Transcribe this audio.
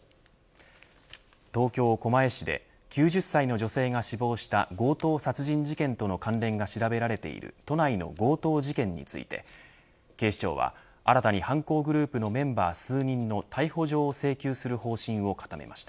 東京、狛江市で９０歳の女性が死亡した強盗殺人事件との関連が調べられている都内の強盗殺人事件について警視庁は新たに犯行グループのメンバー数人の逮捕状を請求する方針を固めました。